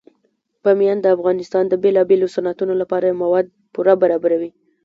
بامیان د افغانستان د بیلابیلو صنعتونو لپاره مواد پوره برابروي.